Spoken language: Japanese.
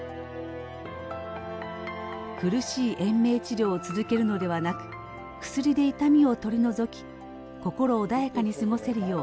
苦しい延命治療を続けるのではなく薬で痛みを取り除き心穏やかに過ごせるよう支えます。